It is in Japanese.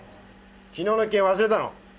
昨日の一件忘れたの？